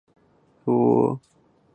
出生于青岛市。